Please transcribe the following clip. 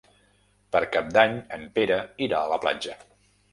Per Cap d'Any en Pere irà a la platja.